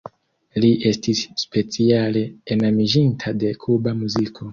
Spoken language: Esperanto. Li estis speciale enamiĝinta de Kuba muziko.